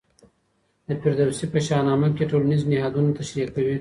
د فردوسي په شاه نامه کې ټولنیز نهادونه تشریح کوي.